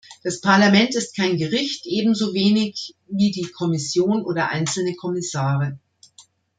Das Parlament ist kein Gericht, ebenso wenig wie die Kommission oder einzelne Kommissare.